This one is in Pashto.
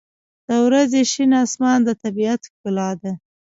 • د ورځې شین آسمان د طبیعت ښکلا ده.